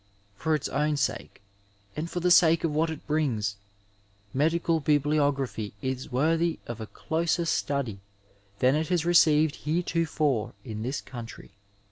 For its own sake and for the sake of what it brings, medical biblio graphy is worthy of a closer study than it has received heretofore in this coimtry.